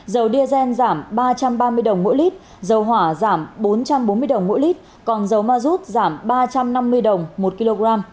dầu diazen giảm ba trăm ba mươi đồng một lít dầu hỏa giảm bốn trăm bốn mươi đồng một lít còn dầu mazut giảm ba trăm năm mươi đồng một kg